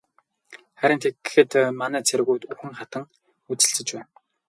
Харин тэгэхэд манай цэргүүд үхэн хатан үзэлцэж байна.